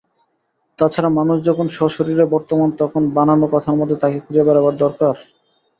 তা ছাড়া মানুষ যখন সশরীরে বর্তমান তখন বানানো কথার মধ্যে তাকে খুঁজে বেড়াবার দরকার?